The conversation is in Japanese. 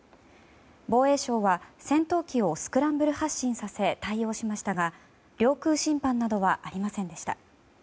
防衛省は戦闘機をスクランブル発進させ対応しましたが領空侵犯などはありませんでした。